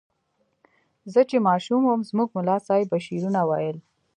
زه چې ماشوم وم زموږ ملا صیب به شعرونه ویل.